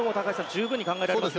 十分に考えられますね。